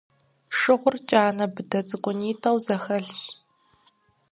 Шыгъур кӀанэ быдэ цӀыкӀунитӀэу зэхэлъщ.